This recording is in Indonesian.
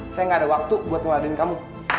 saya gak ada waktu buat ngeluarin kamu